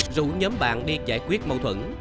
rủ nhóm bạn đi giải quyết mâu thuẫn